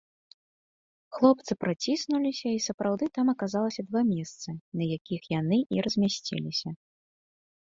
Хлопцы праціснуліся, і сапраўды там аказалася два месцы, на якіх яны і размясціліся.